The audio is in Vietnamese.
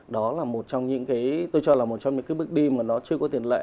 đó là một trong những bước đi mà nó chưa có tiền lệ